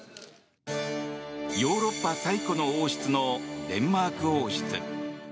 ヨーロッパ最古の王室のデンマーク王室。